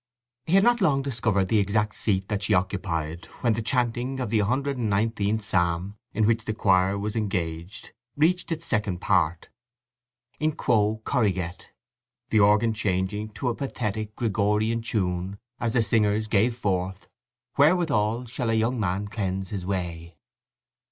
He had not long discovered the exact seat that she occupied when the chanting of the 119th Psalm in which the choir was engaged reached its second part, In quo corriget, the organ changing to a pathetic Gregorian tune as the singers gave forth: Wherewithal shall a young man cleanse his way?